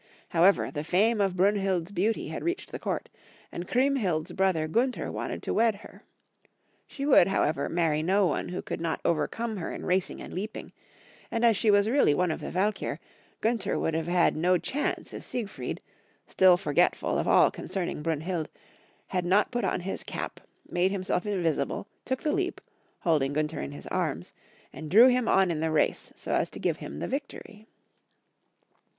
However, the fame of Brunhild's beauty had reached the court, and Chriemhild's brother Gunther wanted to wed her. She would, however, marry no one who could not overcome her in racing and leaping; and as she was really * Valkyr of the Breastplate. t Valkyr of the Hamlet. The Nibelanig Heroes. 48 one of the Valkyr, Gunther would have had no chance if Siegfried, still forgetful of all concerning Brunhild, had not put on his cap, made himself in visible, took the leap, holding Gunther in his arms, and drew him on in the race so as to give him the victory.